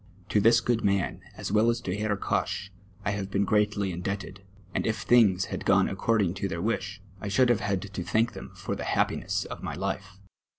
To this *::ood man. as well as to llerr Koch, I have been «j;reatly indebted; and if tilings had iTone according to their wish, I shonld have had to thank them for the hai)pincss of my life.